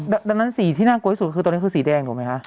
ดังนั้นสีที่น่ากลัวที่สุดคือตอนนี้คือสีแดงถูกไหมคะ